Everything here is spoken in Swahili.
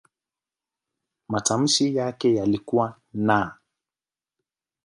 Matamshi yake yalikuwa "n".